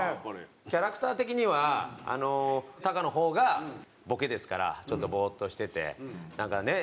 キャラクター的にはタカの方がボケですからちょっとボーッとしててなんかね